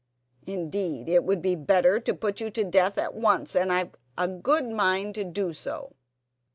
Indeed, it would be better to put you to death at once, and I've a good mind to do so."